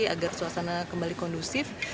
agar suasana kembali kondusif